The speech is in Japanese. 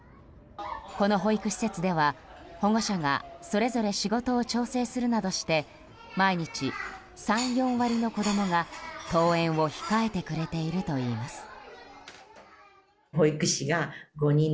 この保育施設では保護者がそれぞれ仕事を調整するなどして毎日３４割の子供が登園を控えてくれているといいます。